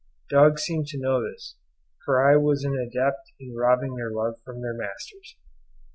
Dogs seemed to know this, for I was an adept in robbing their love from their masters.